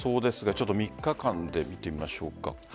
ちょっと３日間で見てみましょうか。